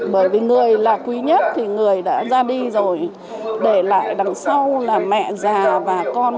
bởi vì người là quý nhất thì người đã ra đi rồi để lại đằng sau là mẹ già và con